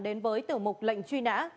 đến với tử mục lệnh truy nã